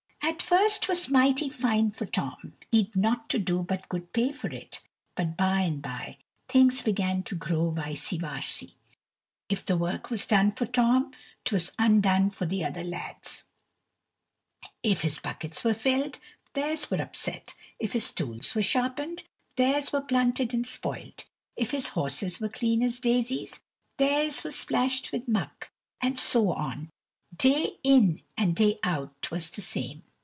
At first 't was mighty fine for Tom; he'd nought to do and good pay for it; but by and by things began to grow vicey varsy. If the work was done for Tom, 't was undone for the other lads; if his buckets were filled, theirs were upset; if his tools were sharpened, theirs were blunted and spoiled; if his horses were clean as daisies, theirs were splashed with muck, and so on; day in and day out, 't was the same.